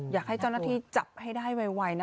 อยากให้เจ้าหน้าที่จับให้ได้ไวนะ